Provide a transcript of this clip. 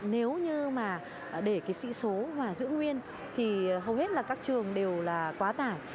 nếu như mà để cái sĩ số mà giữ nguyên thì hầu hết là các trường đều là quá tải